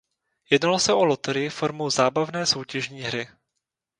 Jednalo se o loterii formou „zábavné soutěžní hry“.